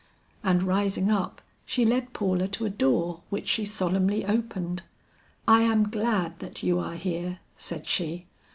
And rising up, she led Paula to a door which she solemnly opened. "I am glad that you are here," said she.